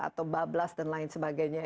atau bablas dan lain sebagainya